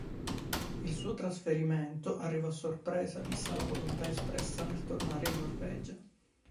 Il suo trasferimento arrivò a sorpresa, vista la volontà espressa di tornare in Norvegia.